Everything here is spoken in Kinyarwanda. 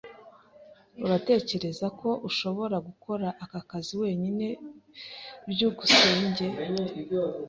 Uratekereza ko ushobora gukora aka kazi wenyine? byukusenge